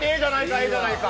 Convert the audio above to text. ええじゃないか。